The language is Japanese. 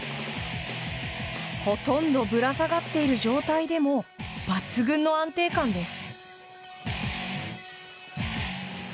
ほとんどぶら下がっている状態でも抜群の安定感です。